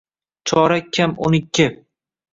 Chorak kam o’n ikki.